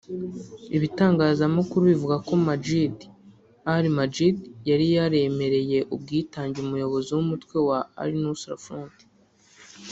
Ibitangazamakuru bivuga ko Majid al-Majid yari yaremereye ubwitange umuyobozi w’umutwe wa al-Nusra Front